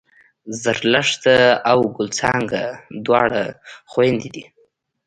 زرلښته او ګل څانګه دواړه خوېندې دي